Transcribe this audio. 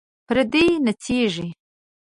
پردې نڅیږي